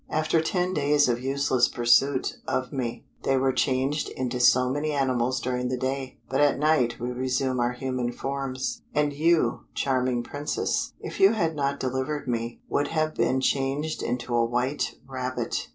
After ten days of useless pursuit of me, they were changed into so many animals during the day; but at night we resume our human forms: and you, charming Princess, if you had not delivered me, would have been changed into a white rabbit."